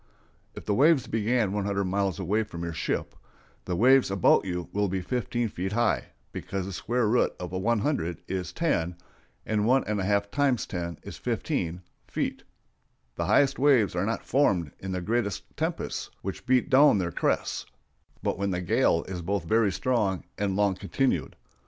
If the waves began 100 miles away from your ship, the waves about you will be 15 feet high, because the square root of 100 is 10, and one and a half times 10 is 15 (feet). The highest waves are not formed in the greatest tempests, which beat down their crests, but when the gale is both very strong and long continued.